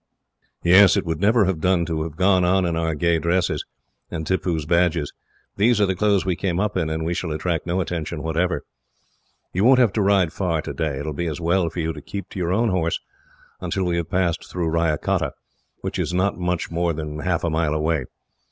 "Yes. It would never have done to have gone on in our gay dresses, and Tippoo's badges. These are the clothes we came up in, and we shall attract no attention whatever. You won't have to ride far, today. It will be as well for you to keep to your own horse, until we have passed through Ryacotta, which is not much more than half a mile away.